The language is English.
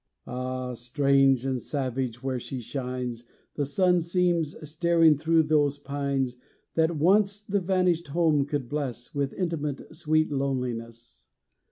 Ah, strange and savage, where he shines, The sun seems staring through those pines That once the vanished home could bless With intimate, sweet loneliness.